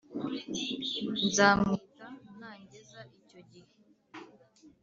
nzamwita na njyeza icyo gihe